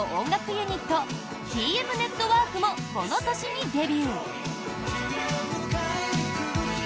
ユニットＴＭＮＥＴＷＯＲＫもこの年にデビュー。